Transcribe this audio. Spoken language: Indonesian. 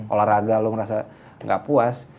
olahraga lo ngerasa gak puas